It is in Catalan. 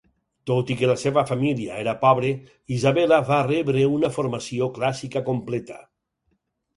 Tot i que la seva família era pobre, Isabella va rebre una formació clàssica completa.